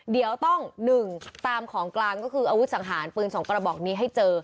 เดี๋ยวต้อง๑ตามของกลางก็คืออาวุธสังหารปืน๒กระบอกนี้ให้เจอ